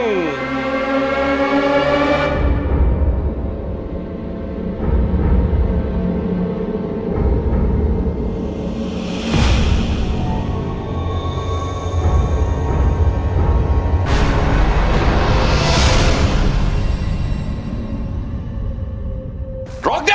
โปรดติดตามตอนต่อไป